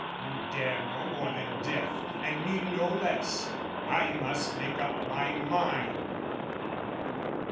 You dare no more than death, And mean no less. I must make up my mind!